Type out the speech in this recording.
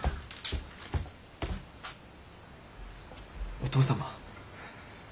お父様。